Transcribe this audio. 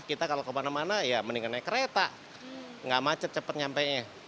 kita kalau kemana mana ya mendingan naik kereta nggak macet cepat nyampenya